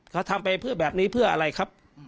เขาทำไปเพื่อแบบนี้เพื่ออะไรครับ